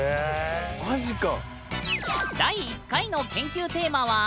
マジか！